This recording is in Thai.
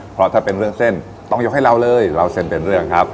เพราะถ้าเป็นเรื่องเส้นต้องยกให้เราเลยเล่าเส้นเป็นเรื่องครับ